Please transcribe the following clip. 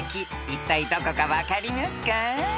［いったいどこか分かりますか？］